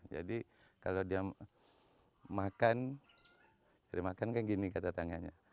jadi kalau dia makan dia makan kan gini kata tangannya